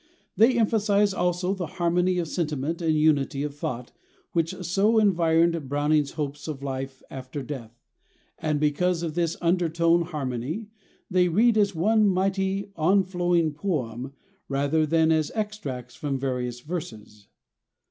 They emphasize, also, the harmony of sentiment and unity of thought, which so environed Browning's hopes of life after death ; and because of this under tone harmony, they read as one mighty, on flowing poem, rather than as extracts from various verses.